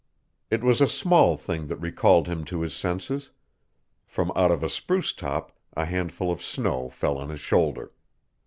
It was a small thing that recalled him to his senses. From out of a spruce top a handful of snow fell on his shoulder.